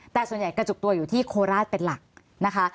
แต่ส่วนใหญ่กระจุกตัวอยู่ที่โคราชเป็นหลักนะคะ